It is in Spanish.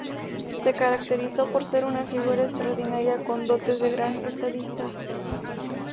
Se caracterizó por ser una figura extraordinaria con dotes de gran estadista.